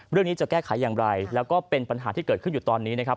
จะแก้ไขอย่างไรแล้วก็เป็นปัญหาที่เกิดขึ้นอยู่ตอนนี้นะครับ